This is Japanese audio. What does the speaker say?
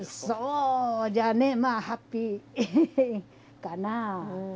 そうじゃねまあハッピーかなあ。